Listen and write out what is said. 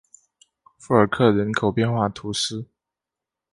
富尔克人口变化图示